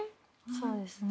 そうですね。